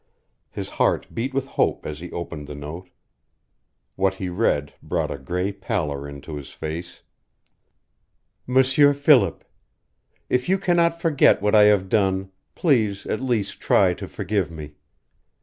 His heart beat with hope as he opened the note. What he read brought a gray pallor into his face: MONSIEUR PHILIP, If you cannot forget what I have done, please at least try to forgive me.